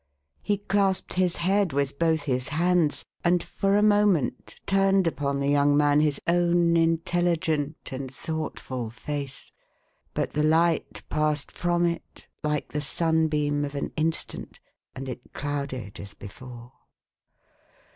He clasped his head with both his hands, and for a moment turned upon the young man his own intelligent and thought ful face. But the light passed from it, like the sunbeam of an instant, and it clouded as before.